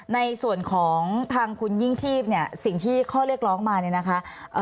ในส่วนของทางคุณยิ่งชีพเนี่ยสิ่งที่ข้อเรียกร้องมาเนี่ยนะคะ